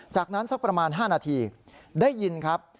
จากนั้นสักประมาณ๕นาทีได้ยินครับ